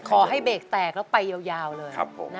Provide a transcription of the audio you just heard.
ขอให้เบรกแตกแล้วไปยาวเลย